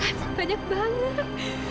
terima kasih banyak banget